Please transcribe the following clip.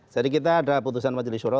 jadi kita ada putusan majelisoro